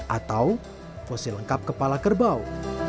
atau fosil lengkap kepala kerbau